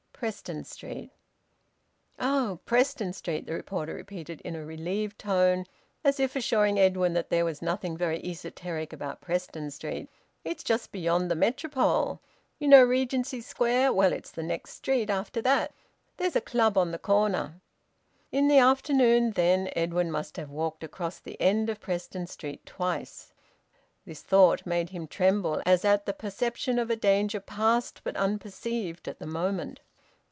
"Preston Street." "Oh! Preston Street!" the porter repeated in a relieved tone, as if assuring Edwin that there was nothing very esoteric about Preston Street. "It's just beyond the Metropole. You know Regency Square. Well, it's the next street after that. There's a club at the corner." In the afternoon, then, Edwin must have walked across the end of Preston Street twice. This thought made him tremble as at the perception of a danger past but unperceived at the moment.